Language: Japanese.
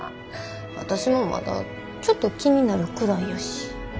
私もまだちょっと気になるくらいやし。